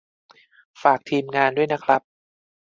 ฝาก ทีมงาน ด้วยนะครับ